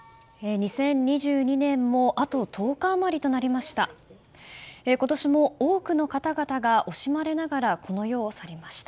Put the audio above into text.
２０２２年もあと１０日余りとなりました。